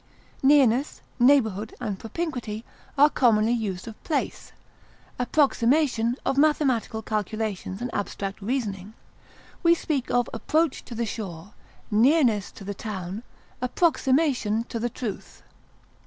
Nearness, neighborhood, and propinquity are commonly used of place; approximation, of mathematical calculations and abstract reasoning; we speak of approach to the shore, nearness to the town, approximation to the truth.